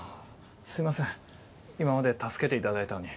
すいません今まで助けていただいたのに。